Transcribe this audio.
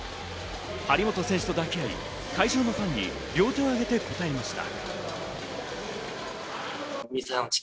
張本選手と抱き合い、会場のファンに両手を上げて応えました。